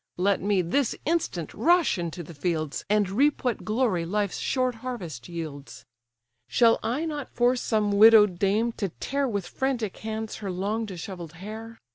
Let me, this instant, rush into the fields, And reap what glory life's short harvest yields. Shall I not force some widow'd dame to tear With frantic hands her long dishevell'd hair?